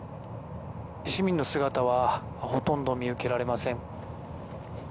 市民の姿はほとんど見受けられません。